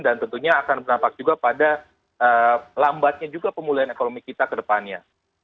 dan tentunya akan berdampak juga pada lambatnya juga pemulihan ekonomi kita ke depannya